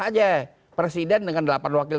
aja presiden dengan delapan wakil